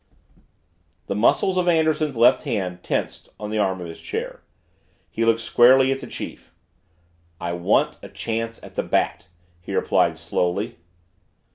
The muscles of Anderson's left hand tensed on the arm of his chair. He looked squarely at the chief. "I want a chance at the Bat!" he replied slowly.